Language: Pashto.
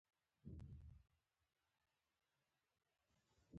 په زړه کې مې تېره کړه.